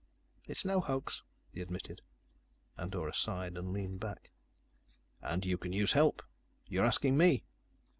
"It's no hoax," he admitted. Andorra sighed and leaned back. "And you can use help? You're asking me?"